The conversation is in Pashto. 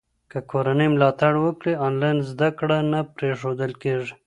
که کورنۍ ملاتړ وکړي، انلاین زده کړه نه پرېښودل کېږي.